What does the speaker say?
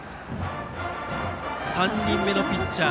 ３人目のピッチャー